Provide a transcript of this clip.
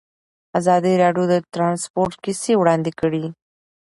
ازادي راډیو د ترانسپورټ کیسې وړاندې کړي.